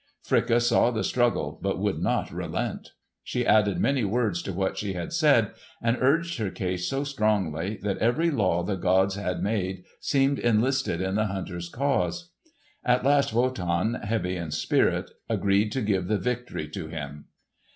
Fricka saw the struggle but would not relent. She added many words to what she had said and urged her case so strongly that every law the gods had made seemed enlisted in the hunter's cause. At last Wotan, heavy in spirit, agreed to give the victory to him.